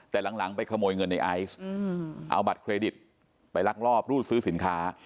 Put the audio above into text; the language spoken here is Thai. แต่หลังไปขโมยเงินในไอซ์เอาบัตรเครดิตไปลักลอบรูดซื้อสินค้า